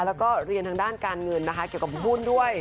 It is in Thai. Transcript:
แล้วก็เรียนทางด้านการเงินนะคะเกี่ยวกับหุ้นด้วย